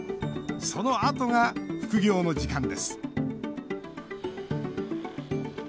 そのあとが副業の時間です。